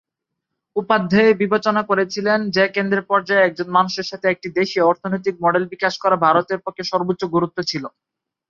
উপাধ্যায় বিবেচনা করেছিলেন যে কেন্দ্রের পর্যায়ে একজন মানুষের সাথে একটি দেশীয় অর্থনৈতিক মডেল বিকাশ করা ভারতের পক্ষে সর্বোচ্চ গুরুত্ব ছিল।